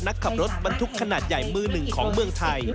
ขับรถบรรทุกขนาดใหญ่มือหนึ่งของเมืองไทย